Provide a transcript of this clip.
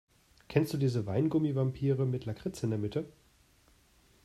Kennst du diese Weingummi-Vampire mit Lakritz in der Mitte?